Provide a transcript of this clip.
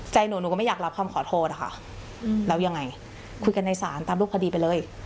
หนูหนูก็ไม่อยากรับคำขอโทษอะค่ะแล้วยังไงคุยกันในศาลตามรูปคดีไปเลย